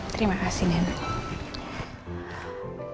terima kasih nenek